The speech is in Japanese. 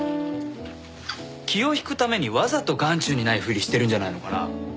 気を引くためにわざと眼中にないふりしてるんじゃないのかな？